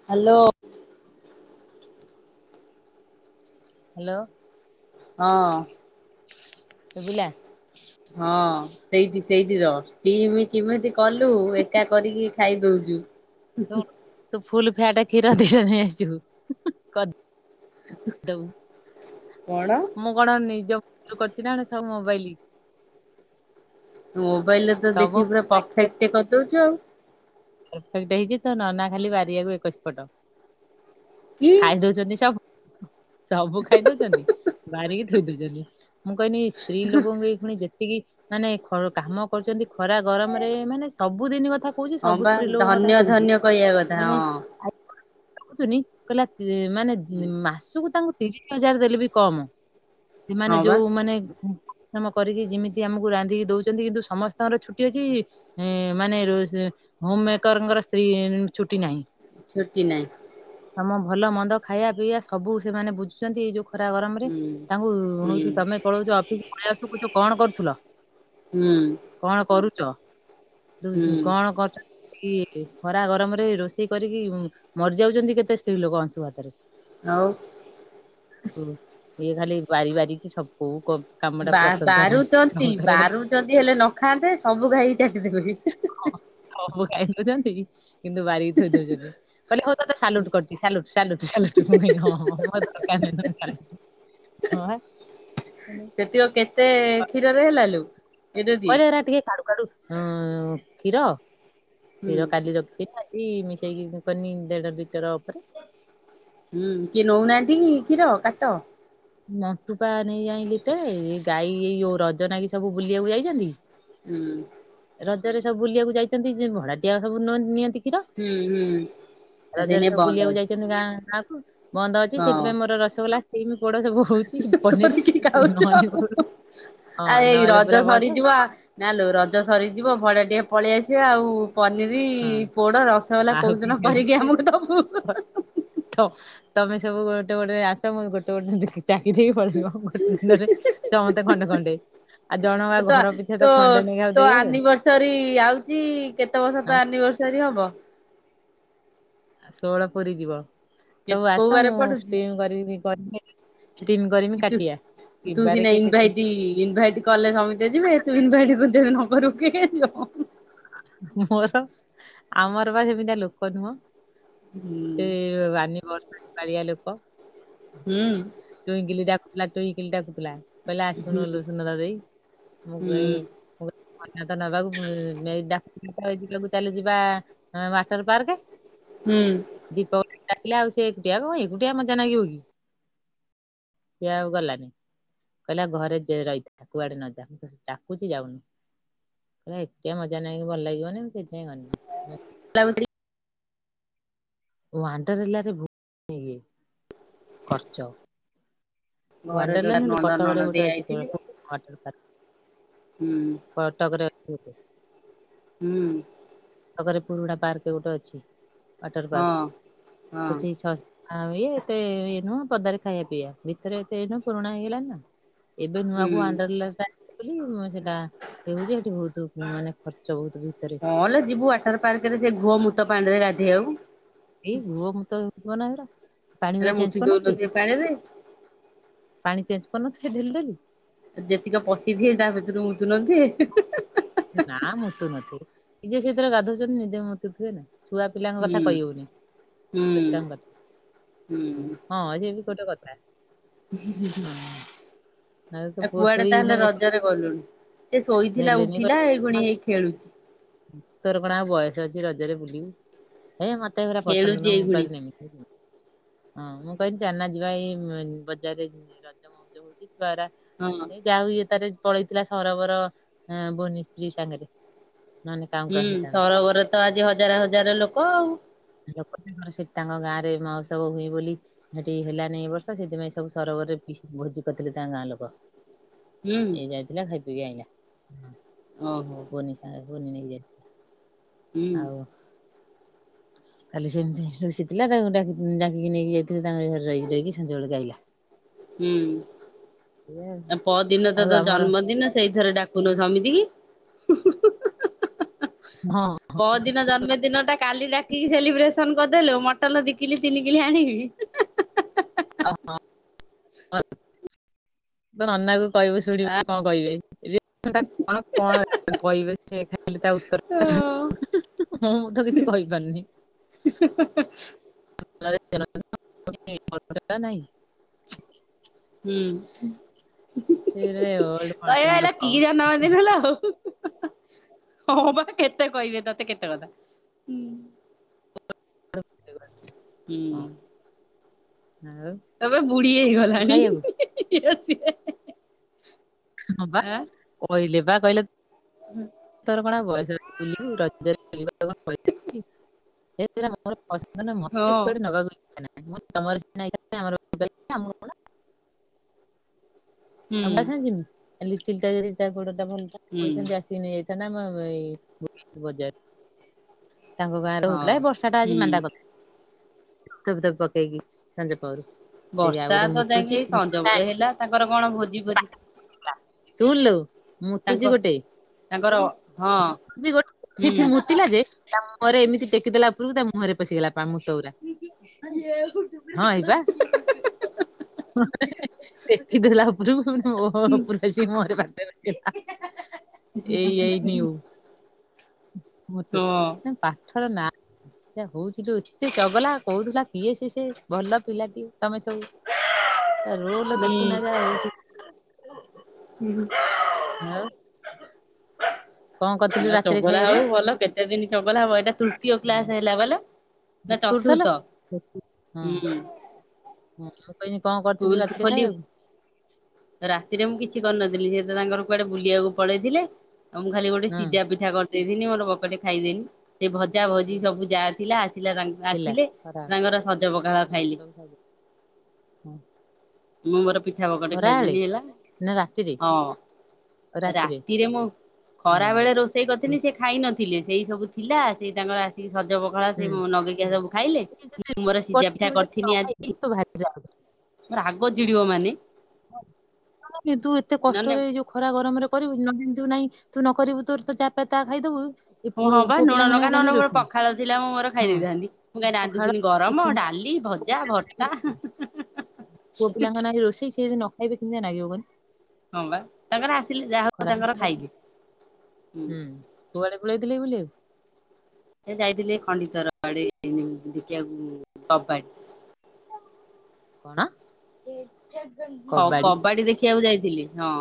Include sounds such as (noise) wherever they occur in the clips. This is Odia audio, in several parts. ହ୍ୟାଲୋ। ହ୍ୟାଲୋ। ହଁ। ସୁଭିଲା। ହଁ ସେଇଠି ସେଇଠି ରହ କେମି କିମିତି କଲୁ ଏକା କରିକି। ଖାଇ ଦଉଛୁ। ଶୁଣ ତୁ ଫୁଲ ଫ୍ୟାଟା କ୍ଷୀର ଦିଟା ନାଇଁ ଆସିବୁ। କରିଦବୁ। କଣ? ମୁଁ କଣ ନିଜ କରିଛି ନା କଣ ସବୁ ମୋବାଇଲ ମୋବାଇଲ ରେ ତ ସବୁ ଦେଖିକି ପୁରା ମୋବାଇଲ ପରଫେକ୍ଟ କରିଦଉଛୁ ଆଉ। ପରଫେକ୍ଟ ହେଇଛି ତ ନନା ଖାଲି ବାରିଆକୁ ଏକୋଇଶି ପଟ କି ଖାଇ ଦଉଛନ୍ତି ସବୁ। ସବୁ ଖାଇ ଦଉଛନ୍ତି ବାରିକି ଥୋଇ ଦଉଛନ୍ତି। ମୁଁ କହିନି ସ୍ତ୍ରୀ ଲୋକଙ୍କୁ ଏ କଣି ତିକି ମାନେ କାମ କରୁଛନ୍ତି ଖରା ଗରମରେ ମାନେ ସବୁଦିନ କଥା କହୁଛି ହଁ ସବୁ ବା ସ୍ତ୍ରୀ ଧନ୍ୟ ଧନ୍ୟ କହିବା କଥା ହଁ। ଆଗରୁ କହିଲା ମାନେ ମାସକୁ ତାଙ୍କୁ ତିରିଶ ହଜାର ଦେଲେ ବି କମ ସେମାନେ ହଁ ବା। ଯୋଉ ମାନେ ମ କରିକି ଯେମିତି ଆମକୁ ରାନ୍ଧିକି ଦଉଛନ୍ତି କିନ୍ତୁ ସମସ୍ତଙ୍କର ଛୁଟି ଅଛି। ଏ ମାନେ ର ହୋମ୍ ମେକରଙ୍କର ସ୍ତ୍ରୀ ଛୁଟି ନାହିଁ। ଛୁଟି ନାହିଁ। ତମ ଭଲ ମନ୍ଦ ଖାଇବା ପିଇବା ସବୁ ସେମାନେ ବୁଝୁଛନ୍ତି ଏ ଯୋଉ ଖରା ଗରମ ରେ ହୁଁ ତାଙ୍କୁ ହୁଁ ହଉଛି ତମେ ପଳଉଛ ଅଫିସ ପଳେଇ ଆସୁଛ କଣ କରୁଥିଲ। ହୁଁ। କଣ କରୁଛ ହୁଁ କଣ କରୁଛ? କି ଖରା ଗରମରେ ରୋଷେଇ କରିକି ମରିଯାଉଛନ୍ତି କେତେ ସ୍ତ୍ରୀ ଲୋକ ଅଂଶୁ ଘାତରେ। ଆଉ। ହୁ ଇଏ ଖାଲି ବାରି ବାରିିକି ସବୁ କ ବା ବାରୁଛନ୍ତି ବାରୁଛନ୍ତି ହେଲେ ନ ଖାଆନ୍ତେ ସବୁ ଖାଇକି ଚାଲିଯିବେ। ହଁ, ସବୁ ଖାଇଦଉଛନ୍ତି। କିନ୍ତୁ ବାରିକି ଥୋଇଦଉଛନ୍ତି କହିଲେ ହଉ ତେ ସାଲୁଟୁ କରୁଛିି ସଲୁଟ ସାଲୁଟ ସାଳୁଟ ହଁ ହଁ। (unintelligible) ହଁ ବା। ସେତିକ କେତେ କ୍ଷୀରରେ ହେଲା ଲୋ। ଏଟା କି କହିଲେରା ଟିକେ କାଡୁ କାଡୁ ହଁ କ୍ଷୀର ହୁଁ କ୍ଷୀର କାଲି ରଖି ଏଇ ମିଶେଇକି କରିନି ଦେଢ ଲିଟର ଉପରେ। ହୁଁ କିଏ ନଉନାହାନ୍ତି କି କ୍ଷୀର କାଟ? ନଟୁପା ନେଇ ଏଇିଲି ତ ଗାଈ ଯୋଉ ରଜନା କି ସବୁ ବୁଲିବାକୁ ଯାଇଛନ୍ତି। ହୁଁ। ରଜରେ ସବୁ ବୁଲିବାକୁ ଯାଇଛନ୍ତି ଯେ ଭଡାଟିଆ ସବୁ ନିଅନ୍ତି। କ୍ଷୀର ହୁଁ ହୁଁ ଆ ସେଇନେ ରଜରେ ସବୁ ବନ୍ଦ ବୁଲିବାକୁ ଅଛି। ଯାଇଛନ୍ତି ଗାଁ ଗାଁକୁ। ବନ୍ଦ ଅଛି ସେଥିପାଇଁ ମୋର ରସଗୋଲା ଷ୍ଟିମ କିକି ଖାଉଛ ନହେଲେ ହଁ ଆ ଏଇ ନହେଲେ ପୁରା ରଜ ବନ୍ଦ ସରିଯିବ। ନା ଲୋ ରଜ ସରିଯିବ ଭଡା ଟିକେ ପଳେଇଆସିବା ଆଉ ପନିର ହଁ ପୋଡ ରସଗୋଲା ଆଉ କୋଉ ଦିନ କରିକି ଆମକୁ ଦବୁ। ତ ତମେ ସବୁ ଗୋଟେ ଗୋଟେ ଆସ ମୋ ଗୋଟେ ଗୋଟେ ଦେଖିକି ଚାକିରି କରୁଥିବ ଗୋଟେ ଦିନରେ ସମତେ ଖଣ୍ଡେ ଖଣ୍ଡେ। ଆଉ ଜଣଙ୍କା ଘର ପିଛା ତ ଖଣ୍ଡେ ନେଇଆ ଆଉ ଦେଇହବନି। ସରି ଆଉଚି କେତେ ବର୍ଷ ଆଁ ତ ଆନିଭର୍ସରୀ ହବ। ଆଉ ଷୋହଳ ପୁରି ଯିବ ସବୁ କୋଉ ଆସ ବାରେ ମୁଁ ଷ୍ଟିମ କରିବିନି କରି ନେଇକି କିୁତୁ ତୁ ସି କିବାରେ ନେ କିଏ ଦେଖୁଛି ଇନଭାଇଟି ଇନଭାଇଟ କଲେ ସମିତେ ଯିବେ ତୁ ଇନଭାଇଟ କରଦେ ନ କରୁ କିଏ କିଏ ଯିବ। ମୋର ଆମର ବା ସେମିତିଆ ଲୋକ ନୁହଁ। ହୁଁ ସେ ବାନୀ ବର୍ଷା କାଳିଆ ଲୋକ। ହୁଁ। ଟୁଇଁକିଲି ଡାକୁଥିଲା ଟୁଇଁକିଲି ଡାକୁୁଥିଲା। କହିଲା ଆସୁନଲ ସୁନଦା ଦେଇ ମୁଁ ହୁଁ କହି ମୁ ମତେ ତ ନବାକୁ ଏଇ ଡାକ୍ତର ଏଇଠି ସବୁ ଚାଲି ଯିବା ହଁ ୱାଟର ପାର୍କ। ହୁଁ। ଦୀପକ ଡାକିଲା ଆଉ ସେ ଏକୁଟିଆ କଣ ଏକୁଟିଆ ମଜା ନାଗିବ କି? ସିଏ ଆଉ ଗଲାନି କହିଲା ଘରେ ଯେ ରହିଥା କୁଆଡେ ନ ଯା ଡାକୁଛି ଯାଉନି। ଏରା ଏତେ ମଜାନାଇଁ ଭଲ ଲାଗିବନି ମୁଁ ସେଥିପାଇଁ ଗନି। ଲାଗୁଥିଲି। ୱାଣ୍ଡରେଲ ରେ ଭୁ ଇଏ ଖର୍ଚ। ଦଦାର ୱଣ୍ଡରଲେନ୍ ନଣନ୍ଦ କଟକ ରେ ନଣଦେଇ ଗୋଟେ ଅଛି ଆଇଥିଲେ କଳ। (unintelligible) ହୁଁ କଟକରେ ଅଛି ଗୋଟେ। ହୁଁ। କଟକରେ ପୁରୁଣା ପାର୍କ ଗୋଟେ ଅଛି ୱାଟର ହଁ ପାର୍କ ହଁ ସେଠି ଛଅ ଆଉ ଇଏ ଏତେ ଇଏ ନୁହଁ ପଦାରେ ଖାଇବା ପିଇବା ଭିତରେ ଏତେ ଇଏ ନୁ ପୁରୁଣା ହେଇଗଲାଣି ନା। ଏବେ ନୂଆ ହୁଁ କୁ ଆଣ୍ଡରିଲା ମୁ ସେଟା ହେଉଛି ଏଠି ବହୁତ ମାନେ ଖର୍ଚ୍ଚ ବହୁତ ଭିତରେ। ହଁଲୋ ଯିବୁ ୱାଟର ପାର୍କ ରେ ସେ ଘୁଅ ମୁତ ପାଣିରେ ଗାଧେଇ ଆକୁ। ଏଇ ଘୁଅ ମୁତ ହେଉଥିବ ନା ଉରା ପାଣି ହେରା ଗୁଡା ମୁତି ଚେଞ୍ଜ କରୁନଥିବେ। ଦଉନଥିବେ ପାଣିରେ ପାଣି ଚେଞ୍ଜ କରୁନଥିବେ ଢେଲିଡେଲି। ଯେତିକ ପଶିଥିବେ ତା ଭିତରୁ ମୁତୁନଥିବେ। ନା ମୁତୁ ନଥିବେ ନିଯେ ସେଥିରେ ଗାଧୁଉଚନ୍ତି ନିଜେ ମୁତୁଥିବେ ନା। ଛୁଆ ପିଲାଙ୍କ ହୁଁ। କଥା କହି ହଉନି ହୁଁ କଥା ହୁଁ ହଁ ସିଏ ବି ଗୋଟେ କଥା। ହଁ ଆଉ ତ ଆ ପୁଅ କୁଆଡେ ଶୋଇନା ତାହେଲେ ରଜରେ ଗଲୁଣି। ସେ ଶୋଇଥିଲା ନେଲେନି ଉଠିଲା କହିଲେ ମା ଏଇଗୁଣି ହେଇ ଖେଳୁଛି। ତୋର କଣ ଆଉ ବୟସ ଅଛି ରଜରେ ବୁଲିବି ହେ ମତେ ଏଗୁରା ପସନ୍ଦ ଖେଳୁଛି ନୁହଁ ମୁଁ ଏଇଗୁଣି କୁଆଡେ ନିମି। ହଁ ମୁଁ କହିଲି ଚାଲନା ଯିବା ଏଇ ବଜାରରେ ର ହଉଛିଵାରା ହଁ (unintelligible) ଏଇ ଯାହା ହୁଏ ତାରେ ପଳେଇଥିଲା ସରୋବର ବନି ସ୍ତ୍ରୀ ସାଙ୍ଗରେ। ନହେଲେ କାଉଁ ହୁଁ କାଉଁ ହେଇଥାନ୍ତା। ସରୋବର ତ ଆଜି ହଜାର ହଜାର ଲୋକ ଆଉ। ଲୋକ ତାଙ୍କର ସେଠ ତାଙ୍କ ଗାଁରେ ମୋହସ୍ଚବ ହୁଏ ବୋଲି ସେଠି ହେଲାନି ଏ ବର୍ଷ ସେଥିପାଇଁ ସବୁ ସରବରରେ ପି ଭୋଜି କରିଥିଲେ ତା ଗାଁ ଲୋକ। ହୁଁ ଏଇ ଯାଇଥିଲା ଖାଇ ପିକି ଆଇଲା ଓହୋ ସାଙ୍ଗ ପୁନ (unintelligible) ନେଇ ହୁଁ ଯାଇଥିଲା ଆଉ (inaudible) କାଲି ସେମିତି ରୁଷିଥିଲା ତାକୁ ଡାକିକି ନେଇକି ଯାଇଥିଲି ତାଙ୍କ ଘରେ ରହିକି ରହିକି ସଞ୍ଜ ବେଳକୁ ଆଇଲା ହୁଁ ଏଇଆ ଆ ପରଦିନ ତ ଆଉ ଆଉ ତ ଆମର ଜନ୍ମଦିନ ସେଇଥିରେ ଡା କୁନ ସମିତି କି ହୁ ହୁ ହୁ ହୁ ପଦିନ ଜନ୍ମଦିନ ଟା କାଲି ଡାକିକି ସେଲିବ୍ରେସନ କରିଦେଲୁ ମଟନ ଦି କିଲି ତିନି କିଲି ଆଣିକି ହ ତ ନନା କ କହିବୁ ଶୁଣିବୁ କଣ କହିବେ ରିଆ ଟା କଣ କଣ କହିବେ ସେ ଖାଇଲେ ତା ଉତ୍ତର ହଁ ମୁଁ ତ କିଛି କହିପାରୁନି ହୁଁ ହୁଁ ହୁଁ (unintelligible) ନା ନାଇଁ ହୁଁ ହୁ ହୁ ହୁ ହୁ ସେ ଓଲ୍ଡ ମଡେଲ କହିବା ହେଲା ଲୋକ। କି ଜନମ ଦିନ ଲୋ ହଁ ବା କେତେ କହିବେ ତତେ କେତେ କଥା ହୁଁ ହଁ ଆଉ କହିବେ ବୁଢୀ ଥିଲୁ ହେଇଗଲାଣି ଖାଇବାକୁ ଇଏ ସିଏ। ହଁ ବା ଆଁ କହିଲେ ବା କହିଲେ ତୋର କଣ ଆଉ ବୟସ ଅଛି ବୁଲିବୁ ରଜରେ (unintelligible) ରେ ଅଛି ଏଥି ମୋର ପସନ୍ଦ ମତେ ହଁ କୁଆଡ଼େ ନବା (unintelligible) ମୁଁ ତମର ଆମ କଣ ହୁଁ ଆଉ କାହା ସଙ୍ଗେ ଯିବି ଲିଟିଲ ଟା ଯଦି ଗୋଡ ଟା ଭଲ ହୁଁ କହିଥାନ୍ତି ହେଇ ଇଥା ନା ଆମ ଏଇ ବଜାର ତାଙ୍କ ଗାଁରେ ହଁ। ହଉଥିଲା ଏ ବର୍ଷା ଟା ଆଜି ହୁଁ ମାନ୍ଦା କରିଦେଲା ଧବ ତବ ପାକେଇକି ସାଜ ପାରୁ ବର୍ଷା ତ ଯାଇକି ସଞ ବେଳ ଏମିତି ହେଲା ତାଙ୍କର କଣ ଭୋଜି ଭୋଜି ଶୁଣିଲୁ ତାଙ୍କ ମୁତୁଛି ଗୋଟେ ତାଙ୍କର ହଁ ମୁ ଗୋଟେ ହୁଁ। ମୁତିଲା ଯେ ତା ମୁହଁରେ ଏମିତି ଟେକିଦେଲା ଉପୂରକୁ ତା ମୁହଁରେ ପଶିଗଲା ପା ମୁତ ଉରା ହଁ ଏଇବା ଟେକିଦେଲା ଉପରକୁ ମୁହଁ ଉପର ଆଇଚି (inaudible) ଏଇ ଏଇ ନିଉ ମୂତୁ ପାଠର ନା ହଁ ହଉଥିଲୁ ଏତେ ଚଗଲା କହୁଥିଲା କିଏ ସେ ସେ ଭଲ ପିଲାଟି ତମେ ସବୁ ହଁ ରଲ ଦେଖୁନବା ଏଇଠି ହୁଁ ଆଉ କଣ କରିଥିଲୁ ରାତିରେ ଚଗଲା ଖାଇବାକୁ? ହଉ ଭଲ କେତେ ଦିନ ଚଗଲା ହବ ଏଇଟା ତୃତୀୟ କ୍ଲାସ ହେଲା ବଲ ନା ମୁତୁଥିଲ ଚତୁର୍ଥ ହଁ ହୁଁ ହଁ ମୁ କହିଲି କଣ ସ୍କୁଲ କରିଥିଲୁ ରାତିରେ ଖୋଲି ଖାଇବାକୁ ରାତିରେ ମୁଁ କିଛି କରିନଥିଲି ସିଏ ତ ତାଙ୍କର କୁଆଡେ ବୁଲିବାକୁ ପଳେଇଥିଲେ ଆଉ ମୁଁ ଖାଲି ଗୋଟେ ହଁ ସିଝା ପିଠା କରିଥିଲି। ଦେଇଥିନି ମୋର ବକଟେ ଖାଇଦେନି ସେ ଭଜା ହଁ ଭଜି ସବୁ ଯାହା ଥିଲା ଆସିଲା ତାଙ୍କ ଥିଲା ଆସିଲେ ଖରାବେଳେ ତାଙ୍କର ସଜ ପଖାଳ ହଁ ଖାଇଲେ। (inaudible) ମୁଁ ମୋର ପିଠା ବକଟେ ଖରାବେଳେ ଖାଇଦେନି ହେଲା। ନା ରାତିରେ ହଁ ରାତିରେ ମୁଁ ହଁ ଖରା ବେଳେ ରୋଷେ ରୋସେଇ କରିଥିନି ସେଖାଇ ନଥିଲେ ସେଇ ସବୁ ଥିଲା ସେ ତାଙ୍କର ଆସି ସେ ସଜ ପଖଳା ସେ ହୁଁ ନଗେଇକିଆ ସବୁ ଖାଇଲେ ମୁଁ ମୋର ସିଝା ପିଠା କରିିଥିନି ଆଜି ଯାଉଛି। ରାଙ୍ଗ୍ କିନ୍ତୁ ଏତେ ନହେଲେ କଷ୍ଟରେ ଏଯୋଉ ଖରା ଗରମରେ କରିବୁ ନଖାଇବୁ ନାଇଁ ତୁ ନକରିବୁ ତୋର ତ ଯାହା ପାଇନେ ତାଖାଇଦବୁ ହଁବା ଲୁଣ ଲଙ୍କା, ନହେଲେ ମୋର ପଖାଳ ଥିଲା ମୁଁ ମୋର ଖାଇ ହଁ ଦେଇଥାନ୍ତି। ମୁଁ କାଇଁ ପଖାଳ ରାନ୍ଧୁଥିଲି କିଛି ଗରମ ନାହିଁ ଡାଲି ଭଜା ଭର୍ତ୍ତା ପୁଅ ପିଲାଙ୍କନାଗି ରୋଷେଇ ସେ ଯଦି ନଖାଇବେ କେମିତିଆ ଲାଗିବ କହନି। ହଁ ବା ତାଙ୍କର ଆସିଲେ ଯାହା ହଉ ତାଙ୍କର ଖରାପ ଖାଇବେ। ହୁଁ କୁଆଡେ ପଳେଇଥିଲେ ବୁଲିବାକୁ? ସେ ଯାଇଥିଲେ ଖଣ୍ଡିଚର ଆଡେ ଦେଖିବାକୁ କବାଡି। କଣ? Chess game. ହଉ କବାଡି ଦେଖିବାକୁ ଯାଇଥିଲି ହଁ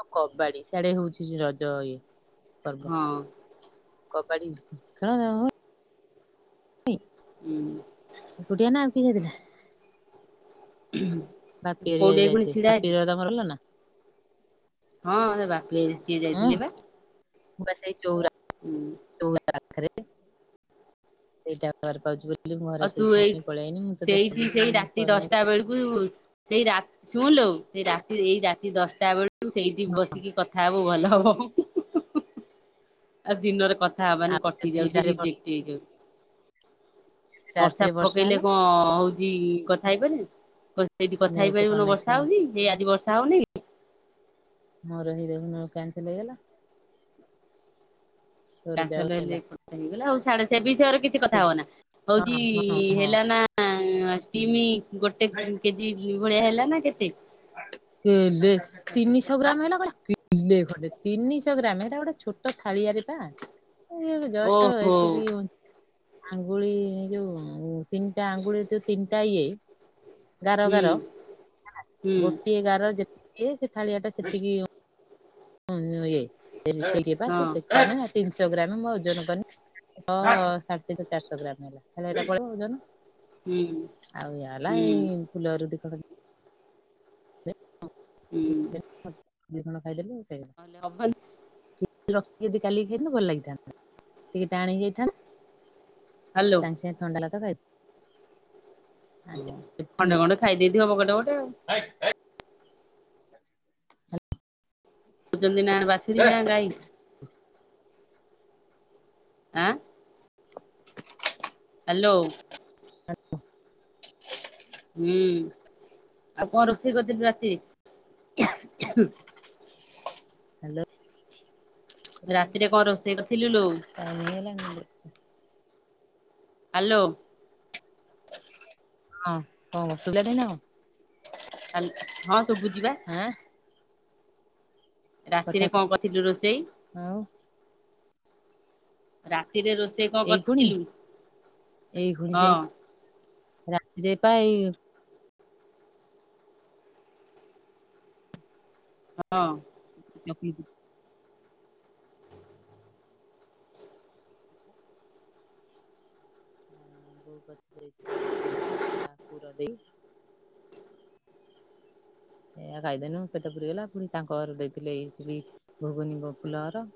ଆଉ କବାଡି ସେଆଡେ ହଉଛି ରଜ ଇଏପର୍ବ। ହଁ। କବାଡି ଖେଳ ହୁଁ,। ଏକୁଟିଆନା ଆଉ କିଏ ଯାଇଥିଲା? ହୁଁ,। ବାପିହେରିଆ ଯାଇଥିଲେ ବାପିର ତମର ଭଲନା ହଁ ସେ ବାପିଭାଇ ହଁ ମୁଁବା ସେଇ ଚୋଉରା ହୁଁ,। ଯୋଉ ପାଖରେ ସେଇଟା ଟାୱାର ପାଉଛି ବୋଲି ମୁଁ ଆଉ ଘରେ ତୁ ଏଇ ଶୋଇଲିନି ପଳିଆଇନି ମୁଁ ତତେ କଇନି କରୁନ୍ମୁ ବ ହୁଁ ହୁଁ ସେଇ ରା ଶୁଣିଲୁ ସେଇ ରାତି ଏଇ ରାତି ଦଶଟା ବେଳକୁ ସେଇଠି ବସିକି କଥ ଖାଇବୁ ଭଲହବ ଆଉ ଦିନରେ କଥା ହବାନି ଆଉ କଟି ଯଦି ଯାଉଚି ରାତିରେ ରିଜେକ୍ଟ ହେଇଯାଉଚି। ବର୍ଷା ରାତିରେ ପକେଇଲେ ହେଲା କଅଁ ହଉଚ୍ ଯି କଥା ହେଇପାରିନୁ ସେଇଠି କଥା ନେଟ୍ ହେଇପାରିବୁନି ବର୍ଷା କନେକ୍ସନ ହଉଛି ଏଇ ଆଜି ବର୍ଷା ହଉନି। ମୋର ହେଇ ଦେଖୁନୁକ୍ୟାନ୍ସଲେ ହେଇଗଲା। ତୋର ଯାଉ କାନସଲ ହେଲେ ହେଲା ହେଇଗଲା ଆଉ ଛାଡେ ସେବିଷୟରେ କିଛି ହଁ କଥାହୋନା ହଉଛି ହଁ ହଁ ହେଲାନା ଷ୍ଟିମ ଗୋଟେ କେଜି ଭଳିଆ ହେଲାନା କେତେ ଏବେ ତିନିଶହ ଆଁ ଗ୍ରାମ ହେଲା କହିଲା କି ଦେଖଣ୍ଡେ ତିନିଶହ ଗ୍ରାମ ହେଟା ଗୋଟେ ଛୋଟ ଥାଳିଆରେପା ଜଷ୍ଟ ଓହୋ ଏତିକି ଆଙ୍ଗୁଳି ଏଯୋଉ ତିନିଟା ଆଙ୍ଗୁଳି ଯୋଉ ତିନିଟା ଇଏ ଗାର ହୁଁ ଗାର ହୁଁ ଗୋଟିଏ ଗାର ଯେତିକି ସେ ଥାାଳିଆଟା ସେତିକି ହୁଁ ଇଏ ଇଏ ହଁ ତିନଶହ ଗ୍ରାମ ମୁଁ ପା ଓଜନ କଲି ହଁ ସାଢେ ତିନି ଚାରିହ ଗ୍ରାମ ହେଲା ଏଟା ପଳେଇବ ଓଜନ ହୁଁ ଆଉ ଏଲା ହୁଁ ଏଇ ଫୁଲରୁ ଦିଖଣ୍ଡ ହୁଁ। ହଁ ଦୁଇ ଖଣ ଖାଇଦେଲେ ସଇଲା (unintelligible) ରଖି ଯଦି କାଲିକ ଖାଇଥିନେ ଭଲ ଲାଗିଥାନ୍ତା ଟିକେ ଟାଣ ହେଇଯାଇଥାନ୍ତା। ହାଲୋ ଥଣ୍ଡାଲା ତ ଖାଇ ଓ ଖଣ୍ଡେ ଖଣ୍ଡେ ଖାଇଦ ଦେଇେଇଥି ହବ ଗୋଟେ ଗୋଟେ ଆଉ। ହେକ ହେକ। କୁଛନ୍ତି ନା ବାଛୁରୀ ନା ଗାଈ? ଆଁ ହ୍ୟାଲୋ। ହୁଁ ଆଉ କଣ ରୋଷେଇ କରିଥିଲି ରାତିରେ ହ୍ୟାଲୋ। ରାତିରେ କଣ ରୋଷେଇ କରିଥିଲିଲୋ? (unintelligible) ହ୍ୟାଲୋ। ହଁ ହଉ ସୁଵିଲା ନା ନାଇଁ ନାଁ କଣ? ହାଲ ହଁ ସବୁଚି ପା। ଆଁ କଥା ରାତିରେ କଣ କରିଥିଲୁ ରୋଷେଇ? ଆଉ ରାତିରେ ରୋଷେଇ କଣ ଏଇ ଖୁଣି କରିଥିଲୁ ଏଇ ଖୁଣି ହଁ? ସେଇ ରାତିରେ ପା ଏଇ ହଁ। (unintelligible) କ ଯ ଜୋଇକି ପିଠା ପୁର ଦେଇ ଏୟ ଖାଇଦେନୁ ପେଟ ପୁରୀ ଗଲା ପୁ ତାଙ୍କ ଘର ଦେଇଥିଲେ ଏଇଠି ଭୋଗୁନିବ ଫୁଲ ଘର